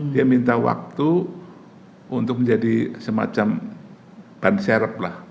dia minta waktu untuk menjadi semacam bansyareb lah